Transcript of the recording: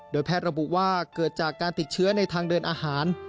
แพทย์ระบุว่าเกิดจากการติดเชื้อในทางเดินอาหาร